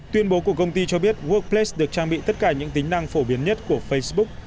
tuyên bố của công ty cho biết work ples được trang bị tất cả những tính năng phổ biến nhất của facebook